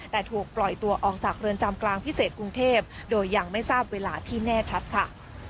แต่ถูกปล่อยตัวออกจากเรือนจำกลางพิเศษกรุงเทพโดยยังไม่ทราบเวลาที่แน่ชัดค่ะ